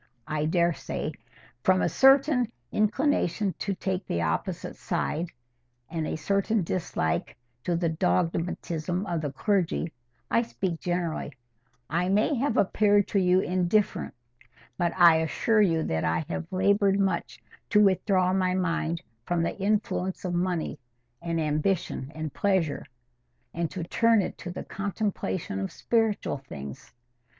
I daresay, from a certain inclination to take the opposite side, and a certain dislike to the dogmatism of the clergy—I speak generally—I may have appeared to you indifferent, but I assure you that I have laboured much to withdraw my mind from the influence of money, and ambition, and pleasure, and to turn it to the contemplation of spiritual things.